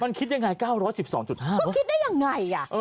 มันคิดยังไง๙๑๒๕หรอก็คิดได้ยังไงอ่ะ